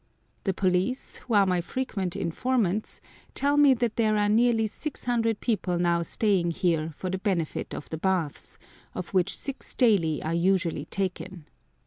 The police, who are my frequent informants, tell me that there are nearly 600 people now staying here for the benefit of the baths, of which six daily are usually taken.